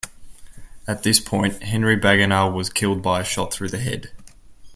At this point, Henry Bagenal was killed by a shot through the head.